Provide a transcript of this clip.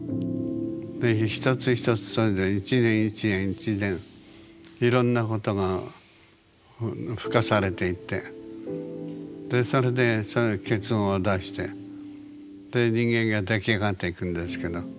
一つ一つそれで一年一年一年いろんなことが付加されていってでそれで結論を出してで人間が出来上がっていくんですけど。